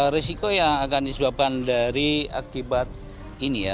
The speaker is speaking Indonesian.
risiko yang akan disebabkan dari akibat ini ya